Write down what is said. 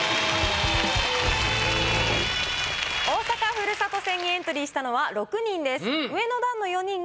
大阪ふるさと戦にエントリーしたのは６人です。